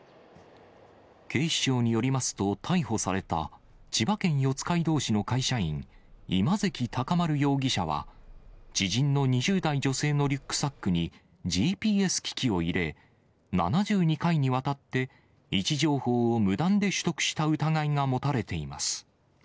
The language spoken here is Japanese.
警視庁によりますと、逮捕された千葉県四街道市の会社員、今関尊丸容疑者は、知人の２０代女性のリュックサックに、ＧＰＳ機器を入れ、７２階にわたって、位置情報を無断で取得した疑いが持たれています。